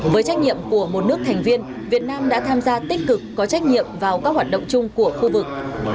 với trách nhiệm của một nước thành viên việt nam đã tham gia tích cực có trách nhiệm vào các hoạt động chung của khu vực